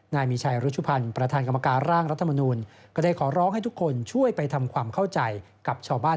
นายมีชัยรุชุพันธ์ประธานกรรมการร่างรัฐมนูลก็ได้ขอร้องให้ทุกคนช่วยไปทำความเข้าใจกับชาวบ้าน